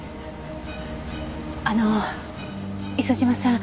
あの磯島さん